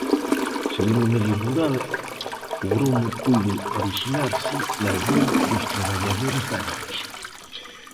Segundo Medio Rural, o gromo puido orixinarse nalgún dos traballadores da granxa.